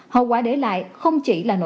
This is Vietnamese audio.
hậu quả để lại không chỉ là nội dung